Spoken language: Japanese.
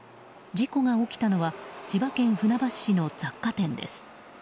事故が起きたのは千葉県船橋市の雑貨店です。